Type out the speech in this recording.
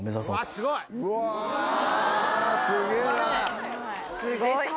すごい！